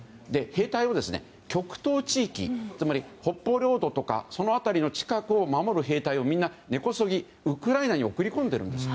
兵隊を極東地域つまり北方領土とかその辺りの近くを守る兵隊をみんな根こそぎウクライナに送り込んでいるんです。